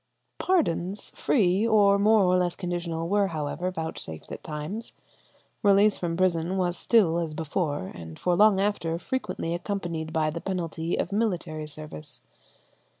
Pardons free or more or less conditional were, however, vouchsafed at times. Release from prison was still, as before, and for long after, frequently accompanied by the penalty of military service.